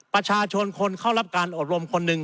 ประชาชนคนเข้ารับการอบรมคนหนึ่ง